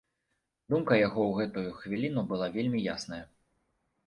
Думка яго ў гэтую хвіліну была вельмі ясная.